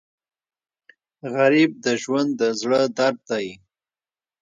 غریب د ژوند د زړه درد دی